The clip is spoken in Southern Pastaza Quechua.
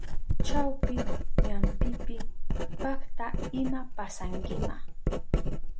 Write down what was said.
Chawpi ñampipi pakta ima pasankima.